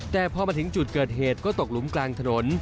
แต่พอมาถึงจุดเกิดเหตุก็ตกหลุมกลางถนน